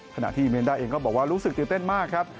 ขณะที่เมนด้าเองก็บอกว่ารู้สึกตื่นเต้นมากครับ